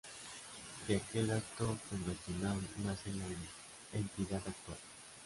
De aquel acto fundacional nace la entidad actual.